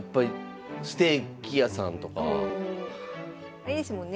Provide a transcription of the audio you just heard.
あれですもんね